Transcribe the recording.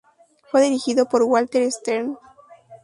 Fue dirigido por Walter Stern.